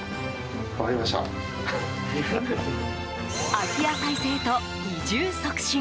空き家再生と移住促進。